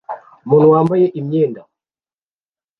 Umuntu wambaye imyenda